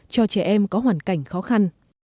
cho trẻ em có hoàn cảnh khó khăn